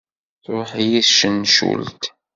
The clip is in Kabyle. Truḥ-iyi tcencult.